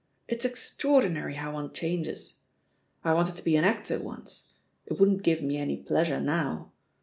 It's extraordinary how one changes 1 I wanted to be an actor once — ^it wouldn't give me any pleasure now.